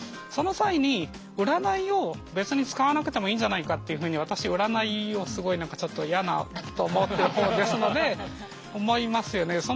その際に占いを別に使わなくてもいいんじゃないかっていうふうに私占いをすごい何かちょっと嫌なと思ってる方ですので思いますよね。